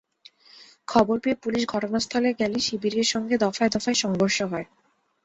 খবর পেয়ে পুলিশ ঘটনাস্থলে গেলে শিবিরের সঙ্গে দফায় দফায় সংঘর্ষ হয়।